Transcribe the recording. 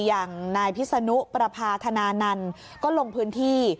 อย่างนายพิศนุประพาธนานันต์ก็ลงพื้นที่